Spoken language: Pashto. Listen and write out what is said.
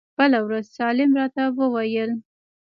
بله ورځ سالم راته وويل.